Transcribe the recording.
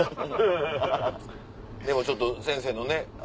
でもちょっと先生のね